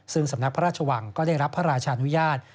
ซึ่งสำนักพระราชวังก็ได้รับพระราชานุญาต